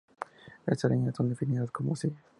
Estas líneas son definidas como sigue.